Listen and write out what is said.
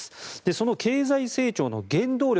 その経済成長の原動力